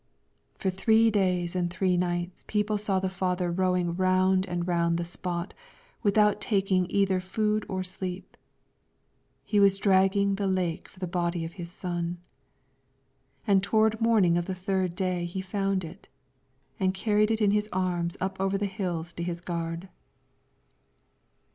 For three days and three nights people saw the father rowing round and round the spot, without taking either food or sleep; he was dragging the lake for the body of his son. And toward morning of the third day he found it, and carried it in his arms up over the hills to his gård.